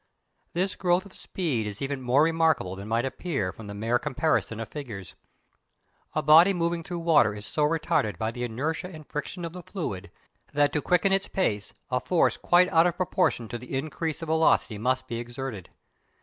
This growth of speed is even more remarkable than might appear from the mere comparison of figures. A body moving through water is so retarded by the inertia and friction of the fluid that to quicken its pace a force quite out of proportion to the increase of velocity must be exerted.